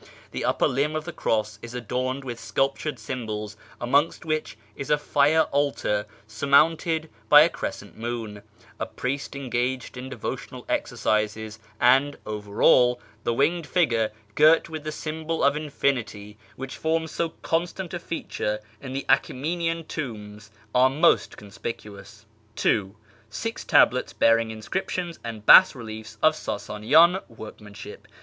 Tlie upper limb of the cross is adorned with sculptured symbols, amongst which a fire altar sur mounted by a crescent moon, a priest engaged in devotional exercises, and, over all, the winged figure girt with the symbol of infinity, which forms so constant a feature in the Acha^menian tombs, are most conspicuous, (ii) Six tablets bearing inscriptions and bas reliefs of Sfisanian workmanship.